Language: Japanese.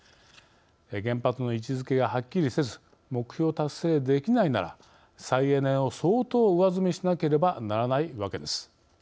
原発の位置づけが、はっきりせず目標達成できないなら再エネを相当上積みしなければならないわけです。